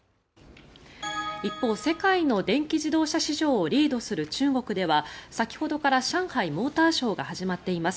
一方、世界の電気自動車市場をリードする中国では先ほどから上海モーターショーが始まっています。